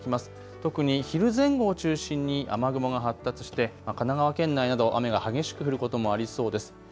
特に昼前後を中心に雨雲が発達して神奈川県内など雨が激しく降ることもありそうです。